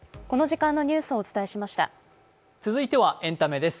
続いてはエンタメです。